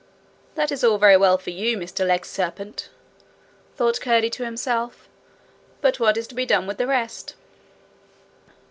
'That is all very well for you, Mr Legserpent!' thought Curdie to himself; 'but what is to be done with the rest?'